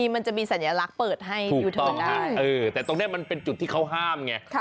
มันจะมีสัญลักษณ์เปิดให้ยูเทิร์นได้แต่ตรงนี้มันเป็นจุดที่เขาห้ามไง